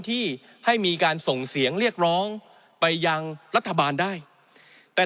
ที่ให้มีการส่งเสียงเรียกร้องไปยังรัฐบาลได้แต่